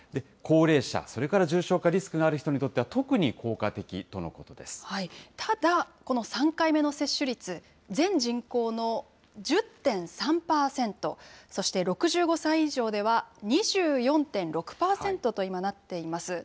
高齢者、それから重症化リスクのある人にとっては、特に効果的とただ、この３回目の接種率、全人口の１０．３％、そして６５歳以上では、２４．６％と今なっています。